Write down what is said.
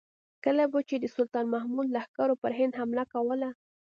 کله به چې د سلطان محمود لښکرو پر هند حمله کوله.